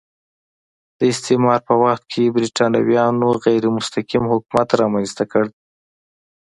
د استعمار په وخت کې برېټانویانو غیر مستقیم حکومت رامنځته کړ.